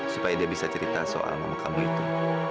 supaya dia bisa cerita soal mama kamu itu